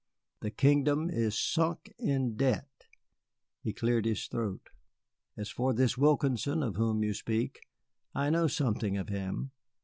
The kingdom is sunk in debt." He cleared his throat. "As for this Wilkinson of whom you speak, I know something of him.